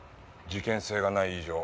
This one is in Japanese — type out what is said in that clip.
事件性がない以上